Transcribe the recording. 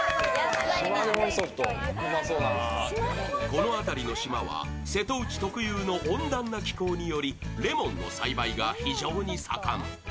この辺りの島は瀬戸内特有の温暖な気候によりレモンの栽培が非常に盛ん。